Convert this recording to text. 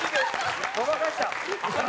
ごまかした！